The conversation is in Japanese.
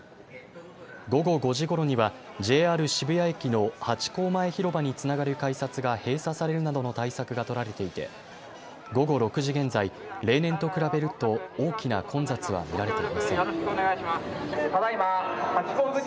午後５時ごろにはＪＲ渋谷駅のハチ公前広場につながる改札が閉鎖されるなどの対策が取られていて、午後６時現在、例年と比べると大きな混雑は見られていません。